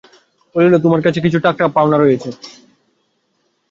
বলিল, তোমার কাছে কিছু টাকা পাওনা আছে নিতাই।